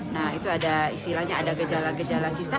nah itu ada istilahnya ada gejala gejala sisa